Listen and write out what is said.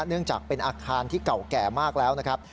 เนื่องจากเป็นอาคารที่เก่าแก่มากแล้วนะครับ